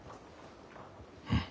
うん。